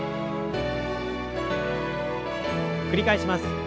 繰り返します。